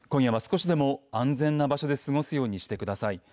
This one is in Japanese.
今夜は少しでも安全な場所で過ごすようにしてください。